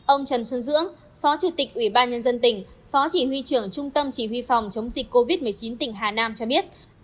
ông trần xuân dưỡng phó chủ tịch ủy ban nhân dân tỉnh phó chỉ huy trưởng trung tâm chỉ huy phòng chống dịch covid một mươi chín tỉnh hà nam cho biết